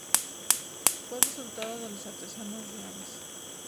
Fue restaurado por los artesanos reales.